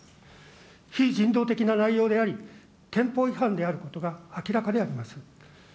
非人道的な内容であり、憲法違反であることが明らかであります。